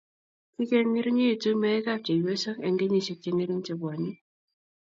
king'ering'iti meekab chepyosok eng' kenyisiek che ng'ering' che bwoni